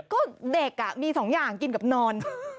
ก็เด็กมี๒อย่างกินกับนอน